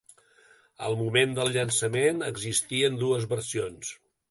Al moment del llançament existien dues versions.